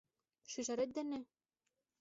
Шӱжарет дене?